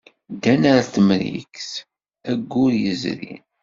Ddan ɣer Temrikt ayyur yezrin.